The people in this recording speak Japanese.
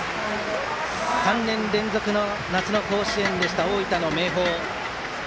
３年連続の夏の甲子園でした大分の明豊。